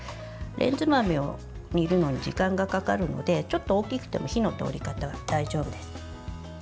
レンズ豆を煮るのに時間がかかるのでちょっと大きくても火の通り方は大丈夫です。